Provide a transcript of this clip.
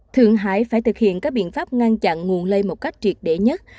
thượng hải phải thực hiện các biện pháp ngăn chặn nguồn lây một cách triệt để nhất